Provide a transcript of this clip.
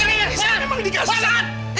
ini saya memang dikasih sama dia